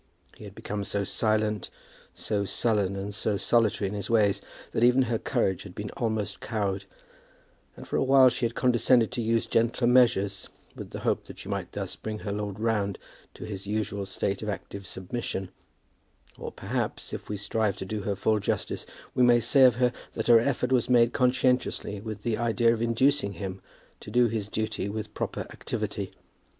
He had become so silent, so sullen, and so solitary in his ways, that even her courage had been almost cowed, and for a while she had condescended to use gentler measures, with the hope that she might thus bring her lord round to his usual state of active submission; or perhaps, if we strive to do her full justice, we may say of her that her effort was made conscientiously, with the idea of inducing him to do his duty with proper activity.